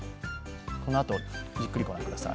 このあと、じっくり御覧ください。